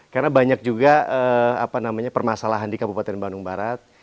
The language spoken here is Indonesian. karena banyak juga apa namanya permasalahan di kabupaten bandung barat